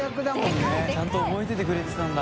ちゃんと覚えててくれてたんだ。